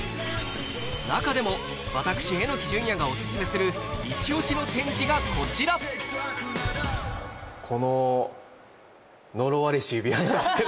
なかでも私榎木淳弥がお薦めするイチオシの展示がこちらこの呪われし指輪なんですけど。